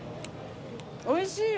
おいしいよね。